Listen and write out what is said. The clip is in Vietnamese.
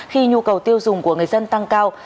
khi nhu cầu tiêu dùng của người dân tăng cao